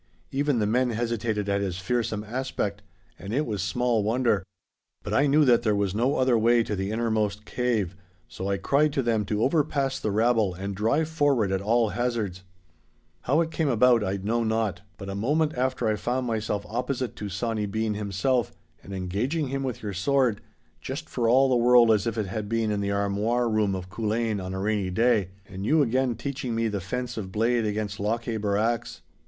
Even the men hesitated at his fearsome aspect. And it was small wonder. But I knew that there was no other way to the innermost cave, so I cried to them to overpass the rabble and drive forward at all hazards. 'How it came about I know not, but a moment after I found myself opposite to Sawny Bean himself and engaging him with your sword—just for all the world as if it had been in the armoire room of Culzean on a rainy day, and you again teaching me the fence of blade against Lochaber axe.